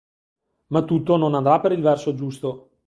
Ma tutto non andrà per il verso giusto...